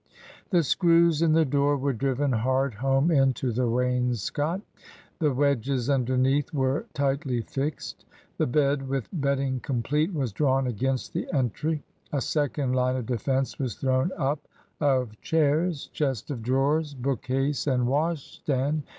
The screws in the door were driven hard home into the wainscot; the wedges underneath were tightly fixed. The bed, with bedding complete, was drawn against the entry. A second line of defence was thrown up of chairs, chest of drawers, book case, and wash stand.